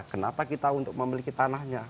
kenapa kita untuk memiliki tanahnya